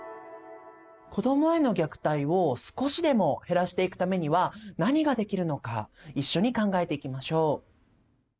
子どもへの虐待を少しでも減らしていくためには何ができるのか一緒に考えていきましょう。